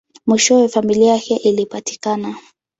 Mwishowe, familia yake ilipatikana.